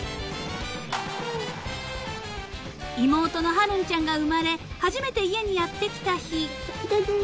［妹の春音ちゃんが生まれ初めて家にやって来た日］